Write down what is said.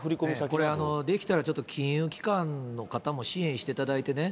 これ、できたらちょっと金融機関の方も支援していただいてね。